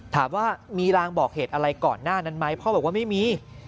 ถามว่ามีรางบอกเหตุอะไรก่อนหน้านั้นไหมพ่อบอกว่าไม่มี